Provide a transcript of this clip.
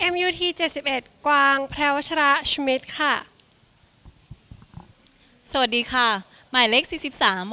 มาวาชาฟชุมิทค่ะสวัสดีค่ะหมายเลขสี่สิบซาม